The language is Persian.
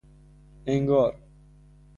انگار